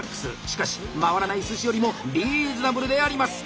しかし回らない寿司よりもリーズナブルであります！